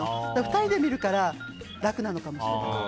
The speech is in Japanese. ２人で見るから楽なのかもしれない。